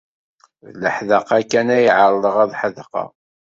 D leḥdaqa kan ay ɛerḍeɣ ad ḥedqeɣ.